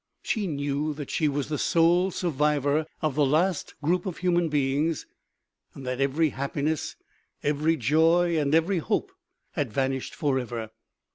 She knew that she was the sole sur vivor of this last group of human beings, and that every happiness, every joy and every hope had van ished .forever.